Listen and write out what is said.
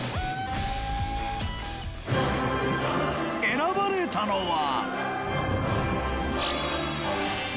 選ばれたのは。